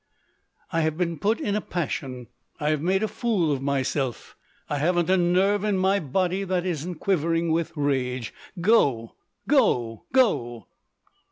"I have been put in a passion; I have made a fool of myself; I haven't a nerve in my body that isn't quivering with rage. Go! go! go!"